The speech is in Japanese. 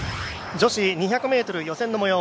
女子２００ｍ予選の模様